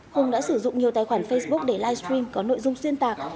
hùng đã sử dụng nhiều tài khoản facebook để livestream có nội dung xuyên tạc